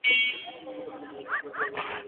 তবে তিনি তার সবগুলো টেস্টেই ক্যাচ নিয়েছিলেন।